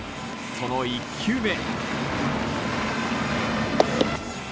その１球目。